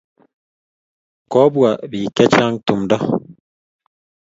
Kopwa piik chechang' tumndo